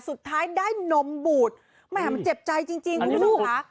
สุดท้ายได้นมบูดแหมมันเจ็บใจจริงคุณผู้ชมค่ะ